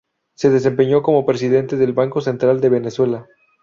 Se desempeñó como presidente del Banco Central de Venezuela.